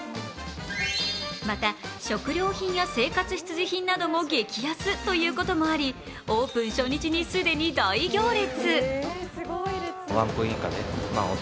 また食料品や生活必需品なども激安ということもありオープン初日に既に大行列。